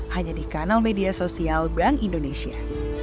hanya di kanal media sosial bank indonesia